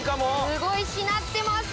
すごいしなってます。